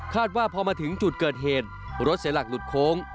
ว่าพอมาถึงจุดเกิดเหตุรถเสียหลักหลุดโค้ง